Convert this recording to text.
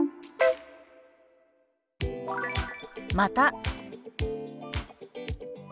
「また」。